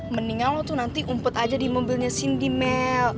mendingan lo tuh nanti umpet aja di mobilnya cindy mel